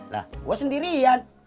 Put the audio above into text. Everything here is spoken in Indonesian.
lah gue sendirian